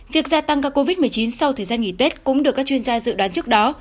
việc gia tăng ca covid một mươi chín sau thời gian nghỉ tết cũng được các chuyên gia dự đoán trước đó